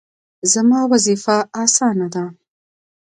زما وظیفه اسانه ده